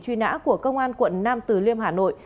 truy nã của công an quận nam từ liêm hà nội